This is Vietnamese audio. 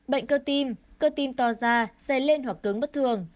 bệnh cơ tim cơ tim to ra xe lên hoặc cứng bất thường